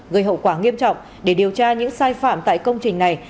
gây hậu quả nghiêm trọng để điều tra những sai phạm tại công trình này